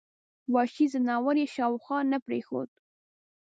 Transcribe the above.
وحشي ځناور یې شاوخوا نه پرېښود.